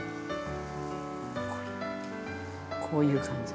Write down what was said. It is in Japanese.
こういう感じ。